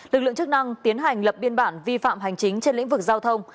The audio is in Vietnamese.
lực lượng chức năng tiến hành lập biên bản vi phạm hành chính trên lĩnh vực giao thông